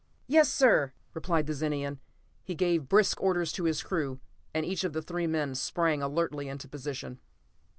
"Yes, sir!" replied the Zenian. He gave brisk orders to his crew, and each of the three men sprang alertly into position.